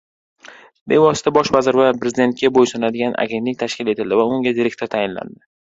Bevosita Bosh vazir va Prezidentga bo‘ysunadigan agentlik tashkil etildi va unga direktor tayinlandi